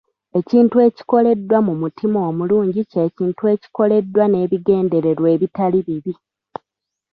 Ekintu ekikoleddwa mu mutima omulungi ky'ekintu ekikoleddwa n'ebigendererwa ebitali bibi.